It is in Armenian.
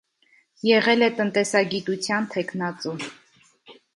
Եղել է տնտեսագիտության թեկնածու։